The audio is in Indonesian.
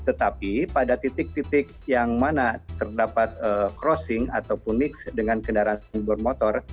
tetapi pada titik titik yang mana terdapat crossing ataupun mix dengan kendaraan bermotor